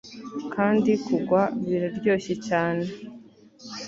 kandi kugwa biraryoshye cyane